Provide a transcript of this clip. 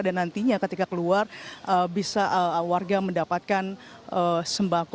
dan nantinya ketika keluar bisa warga mendapatkan sembako